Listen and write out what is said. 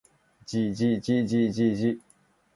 じじじじじ